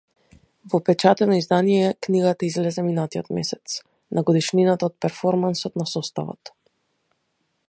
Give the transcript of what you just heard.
Во печатено издание книгата излезе минатиот месец, на годишнината од перформансот на составот.